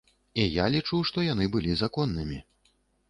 І я лічу, што яны былі законнымі.